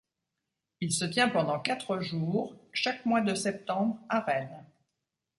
Il se tient pendant quatre jours chaque mois de septembre à Rennes.